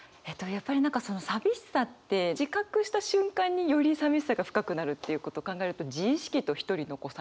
やっぱり何かその寂しさって自覚した瞬間により寂しさが深くなるっていうことを考えると自意識と一人残されたとか。